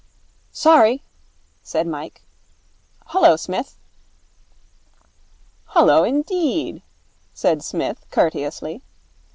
'Sorry,' said Mike. 'Hullo, Smith.' 'Hullo indeed,' said Psmith, courteously.